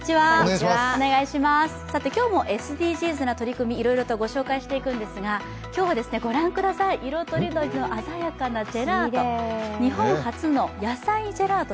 今日もＳＤＧｓな取り組み、いろいろとご紹介していくんですが、今日は色とりどりの鮮やかなジェラート、日本初の野菜ジェラート